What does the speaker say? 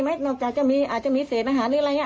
ไม่ได้ให้ถามว่าจะให้ไหมอาจจะมีเศษอาหารหรืออะไร